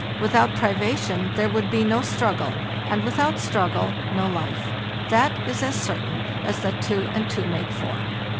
Without privation there would be no struggle, and without struggle no life, that is as certain as that two and two make four.